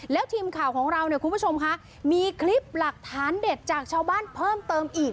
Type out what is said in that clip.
แล้วทีมข่าวของเราเนี่ยคุณผู้ชมคะมีคลิปหลักฐานเด็ดจากชาวบ้านเพิ่มเติมอีก